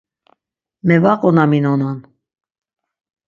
Mevaqonaminonan.